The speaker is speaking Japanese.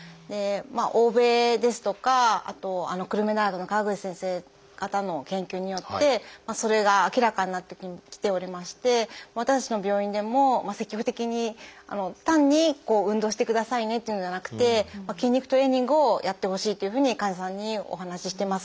欧米ですとかあと久留米大学の川口先生方の研究によってそれが明らかになってきておりまして私たちの病院でも積極的に単に「運動してくださいね」っていうんじゃなくて「筋肉トレーニングをやってほしい」というふうに患者さんにお話ししてます。